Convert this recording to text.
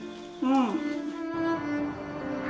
うん。